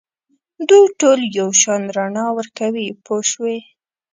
دوی ټول یو شان رڼا ورکوي پوه شوې!.